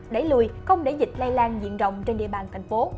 đẩy lùi không để dịch lây lan diện rộng trên địa bàn thành phố